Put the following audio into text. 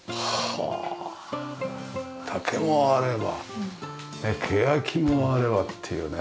竹もあればケヤキもあればっていうね。